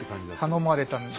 頼まれたんですよ。